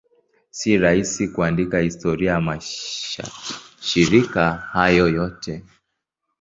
Si rahisi kuandika historia ya mashirika hayo yote.